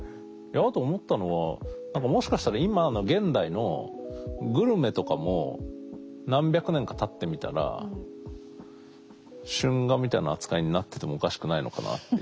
あと思ったのはもしかしたら今現代のグルメとかも何百年かたってみたら春画みたいな扱いになっててもおかしくないのかなっていう。